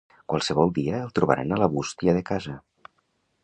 Qualsevol dia el trobaran a la bústia de casa.